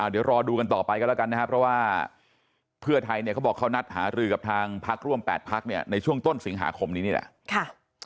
เดี๋ยวรอดูกันต่อไปกันแล้วกันนะครับเพราะว่าเพื่อไทยเนี่ยเขาบอกเขานัดหารือกับทางพักร่วม๘พักเนี่ยในช่วงต้นสิงหาคมนี้นี่แหละ